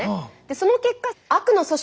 その結果悪の組織